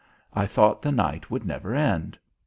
I thought the night would never end.